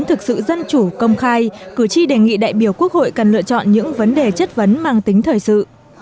thực sự dân chủ công khai cử tri đề nghị đại biểu quốc hội cần lựa chọn những vấn đề chất vấn mang tính thời sự